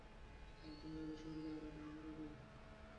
একজন যাবে স্বর্গে, আরেকজন নরকে।